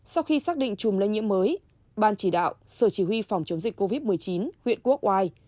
sau khi xác định chùm lây nhiễm mới ban chỉ đạo sở chỉ huy phòng chống dịch covid một mươi chín huyện quốc oai